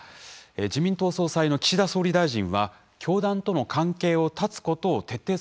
自民党総裁の岸田総理大臣は教団との関係を断つことを徹底すると強調しています。